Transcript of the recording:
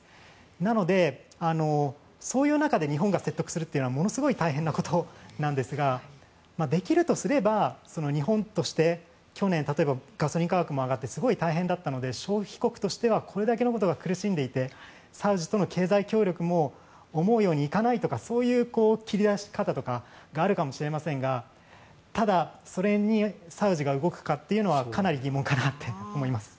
なので、そういう中で日本が説得するというのはものすごい大変なことなんですができるとすれば日本として去年、ガソリン価格も上がってすごい大変だったので消費国としてはこれだけのことが苦しんでいてサウジとの経済協力も思うようにいかないとかそういう切り出し方とかがあるかもしれませんがただ、それにサウジが動くかというのはかなり疑問かなって思います。